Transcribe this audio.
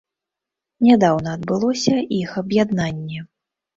Нядаўна адбылося іх аб'яднанне.